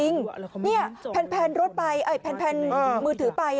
นี่แพนรถไปแพนมือถือไป